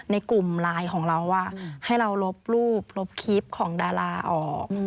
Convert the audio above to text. ในกลุ่มไลน์ของเราว่าให้เราลบรูปลบคลิปของดาราออก